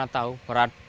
enggak pernah tahu